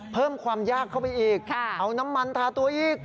เพิ่มความยากเข้าไปอีกเอาน้ำมันทาตัวอีก